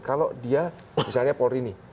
kalau dia misalnya polri nih